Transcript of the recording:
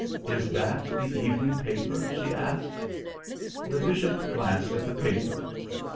"Is that the evening paper?" she asked. The bishop glanced at the paper.